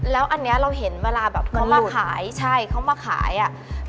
แล้วอันนี้เราเห็นเวลาแบบเขามาขายใช่เขามาขายอ่ะ